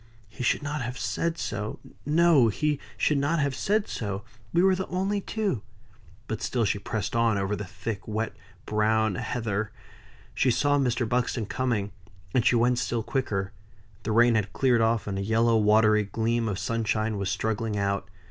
"He should not have said so. No! he should not have said so. We were the only two." But still she pressed on, over the thick, wet, brown heather. She saw Mr. Buxton coming; and she went still quicker. The rain had cleared off, and a yellow watery gleam of sunshine was struggling out.